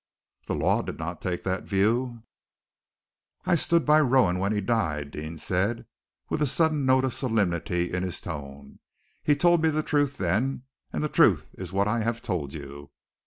"The law did not take that view." "I stood by Rowan when he died," Deane said, with a sudden note of solemnity in his tone. "He told me the truth then, and the truth is what I have told you."